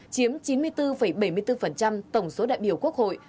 chiếm chín mươi bốn bảy mươi bốn tổng số đại biểu quốc hội